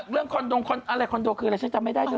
คอนโดอะไรคอนโดคืออะไรฉันจำไม่ได้เธอ